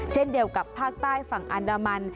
เช่นเดียวกับภาคใต้ฝั่งอันดามัน